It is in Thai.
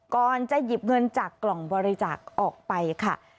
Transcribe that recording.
ก่อนจะหยิบเงินจากกล่องบริจาคออกไปค่ะ